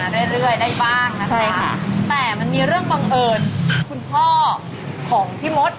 เรื่อยเรื่อยได้บ้างนะคะแต่มันมีเรื่องบังเอิญคุณพ่อของพี่มด